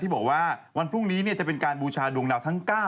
บอกว่าวันพรุ่งนี้จะเป็นการบูชาดวงดาวทั้ง๙